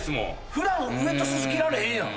普段ウエットスーツ着れんやん。